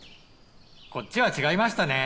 こっちは違いましたね。